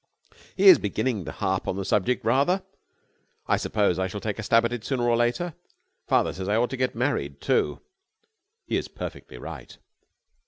"He is beginning to harp on the subject rather. I suppose I shall take a stab at it sooner or later. Father says I ought to get married, too." "He is perfectly right."